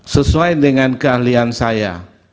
sesuai dengan keahlian saya